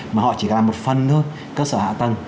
mà họ chỉ làm một phần thôi cơ sở hạ tầng